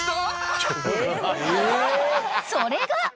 ［それが］